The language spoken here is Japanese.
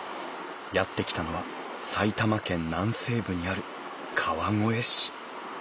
やって来たのは埼玉県南西部にある川越市